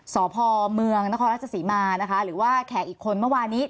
สภเมืองนรัชสิมาหรือว่าแขกอีกคนเมื่อวานี้